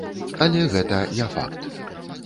Але гэта не факт.